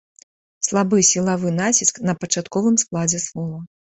Слабы сілавы націск на пачатковым складзе слова.